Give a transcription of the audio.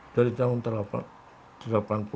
dari tahun delapan puluh